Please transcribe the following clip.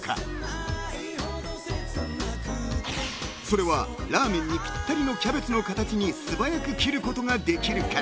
［それはラーメンにぴったりのキャベツの形に素早く切ることができるから］